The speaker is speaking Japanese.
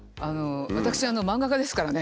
私漫画家ですからね。